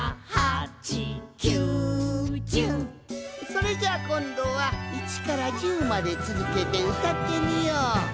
「４５６」「７８９１０」「７８９１０」それじゃあこんどは１から１０までつづけてうたってみよう！